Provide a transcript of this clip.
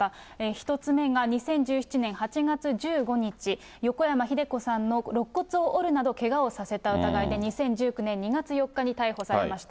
１つ目が２０１７年８月１５日、横山秀子のろっ骨を折るなどけがをさせた疑いで２０１９年２月４日に逮捕されました。